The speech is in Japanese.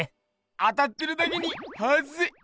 当たってるだけにはずい！